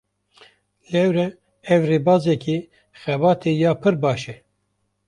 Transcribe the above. Lewre ev, rêbazeke xebatê ya pir baş e